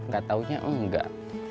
gak taunya enggak